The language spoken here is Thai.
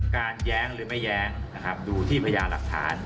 แย้งหรือไม่แย้งนะครับดูที่พญาหลักฐาน